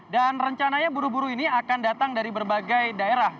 dan rencananya buruh buruh ini akan datang dari berbagai daerah